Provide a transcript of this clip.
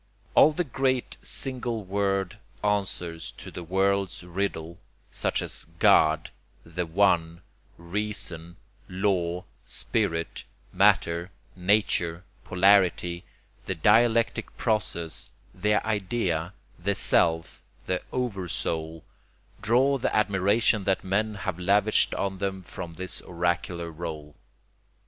All the great single word answers to the world's riddle, such as God, the One, Reason, Law, Spirit, Matter, Nature, Polarity, the Dialectic Process, the Idea, the Self, the Oversoul, draw the admiration that men have lavished on them from this oracular role.